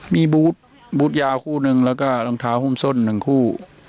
มีบูธบูธยาวคู่หนึ่งแล้วก็รองเท้าหุ้มส้น๑คู่